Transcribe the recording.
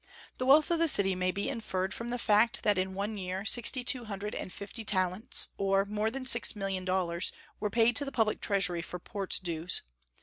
The wealth of the city may be inferred from the fact that in one year sixty two hundred and fifty talents, or more than six million dollars, were paid to the public treasury for port dues.